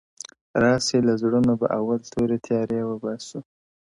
o راسئ له زړونو به اول توري تیارې و باسو,